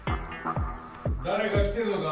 ・誰か来てるのか？